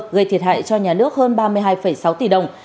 gây thiệt hại cho nhà nước hơn ba mươi hai sáu tỷ đồng